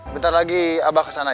bentar lagi abah kesana ya